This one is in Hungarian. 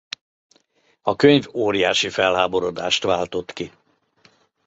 A könyv óriási felháborodást váltott ki.